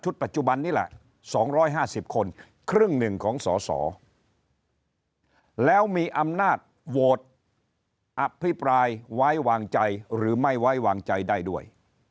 ปัจจุบันนี้แหละ๒๕๐คนครึ่งหนึ่งของสอสอแล้วมีอำนาจโหวตอภิปรายไว้วางใจหรือไม่ไว้วางใจได้ด้วย